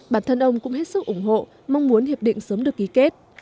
bản thân ông cũng hết sức ủng hộ mong muốn hiệp định sớm được ký kết